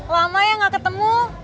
lama ya nggak ketemu